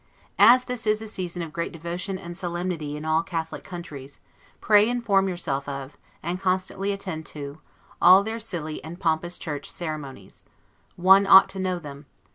As this is a season of great devotion and solemnity in all Catholic countries, pray inform yourself of, and constantly attend to, all their silly and pompous church ceremonies; one ought to know them.